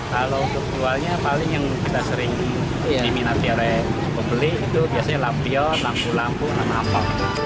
kalau untuk jualnya paling yang kita sering diminati oleh pembeli itu biasanya lampion lampu lampu nama apa